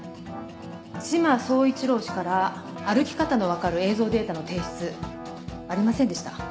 志摩総一郎氏から歩き方の分かる映像データの提出ありませんでした。